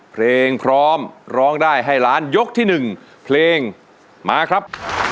เพลงพร้อมร้องได้ให้ล้านยกที่๑เพลงมาครับ